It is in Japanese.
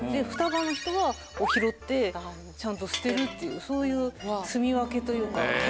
雙葉の人は拾ってちゃんと捨てるっていうそういうすみ分けというか。